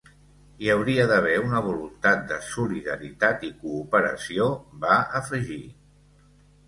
Hi hauria d’haver una voluntat de solidaritat i cooperació, va afegir.